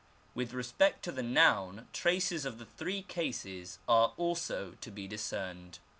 With ••• respect to the noun, traces of the three cases are also to be discerned.